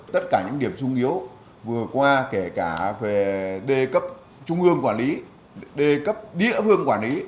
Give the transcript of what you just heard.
tất cả những điểm sung yếu vừa qua kể cả về đề cấp trung ương quản lý đề cấp địa phương quản lý